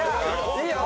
いいよ！